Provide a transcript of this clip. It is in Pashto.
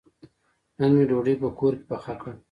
نن مې ډوډۍ په کور کې پخه کړه.